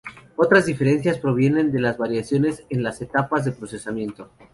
Otras diferencias provienen de las variaciones en las etapas de procesamiento.